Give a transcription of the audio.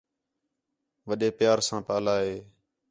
وَݙّے پیار ساں پالا ہِے